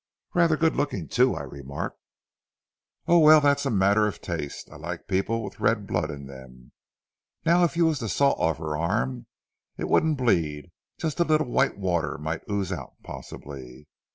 "'Rather good looking too,' I remarked. "'Oh, well, that's a matter of taste. I like people with red blood in them. Now if you was to saw her arm off, it wouldn't bleed; just a little white water might ooze out, possibly.